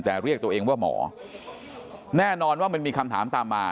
แต่เรียกตัวเองว่าหมอแน่นอนว่ามันมีคำถามตามมา